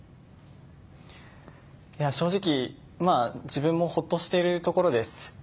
正直自分もほっとしているところです。